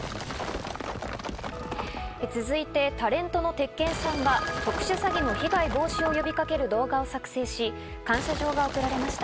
続いて、タレントの鉄拳さんが特殊詐欺の被害防止を呼びかける動画を作成し、感謝状が贈られました。